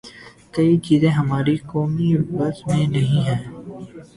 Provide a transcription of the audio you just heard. کئی چیزیں ہمارے قومی بس میں نہیں ہیں۔